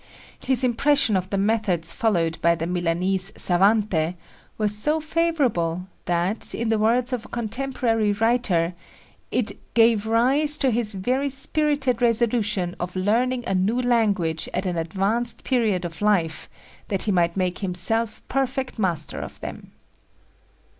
His impression of the methods followed by the Milanese savante was so favorable that, in the words of a contemporary writer, it "gave rise to his very spirited resolution of learning a new language at an advanced period of life, that he might make himself perfect master of them."